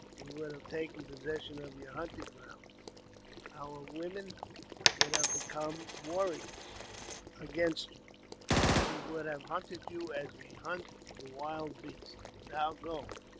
We would have taken possession of your hunting grounds ; our women would have become warriors against you ; we would have hunted you as we hunt the wild beasts. Now go